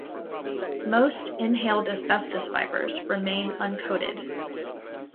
Most inhaled asbestos fibers remain uncoated.